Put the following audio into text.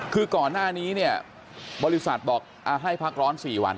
คือก่อนหน้านี้เนี่ยบริษัทบอกให้พักร้อน๔วัน